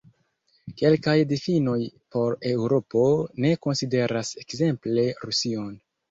Kelkaj difinoj por Eŭropo ne konsideras ekzemple Rusion.